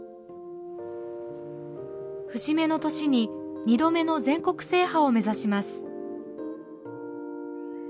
節目の年に二度目の全国制覇を目指します。